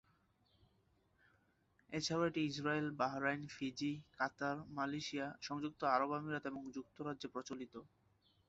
এছাড়াও এটি Israel, Bahrain, Fiji, Qatar, Malaysia, সংযুক্ত আরব আমিরাত এবং যুক্তরাজ্যে প্রচলিত।